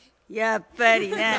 やっぱりな。